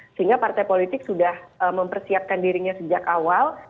sehingga partai politik sudah mempersiapkan dirinya sejak awal